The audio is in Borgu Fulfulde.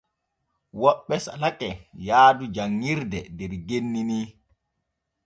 Woɓɓe salake yaadu janŋirde der genni ni.